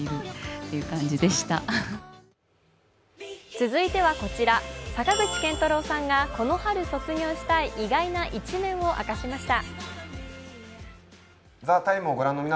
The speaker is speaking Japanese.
続いてはこちら、坂口健太郎さんがこの春卒業したい意外な一面を明かしました。